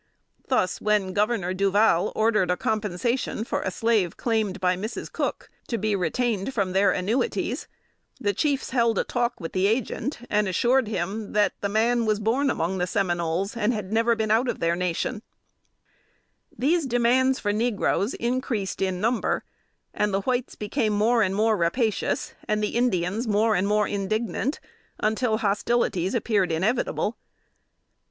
Thus, when Governor Duval ordered a compensation for a slave claimed by Mrs. Cook, to be retained from their annuities, the chiefs held a talk with the Agent, and assured him that the "man was born among the Seminoles, and had never been out of the nation." These demands for negroes increased in number; and the whites became more and more rapacious, and the Indians more and more indignant, until hostilities appeared inevitable.